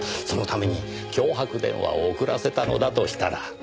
そのために脅迫電話を遅らせたのだとしたら。